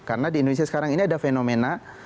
karena di indonesia sekarang ini ada fenomena